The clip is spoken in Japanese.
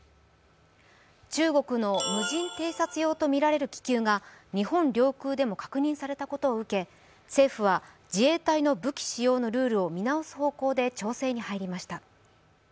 中国の無人偵察用とみられる気球が日本領空でも確認されたことを受け政府は自衛隊の武器使用のルールを見直す方向で調整に入りました。